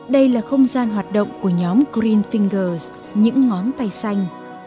đây là không gian hoạt động của nhóm green finger những ngón tay xanh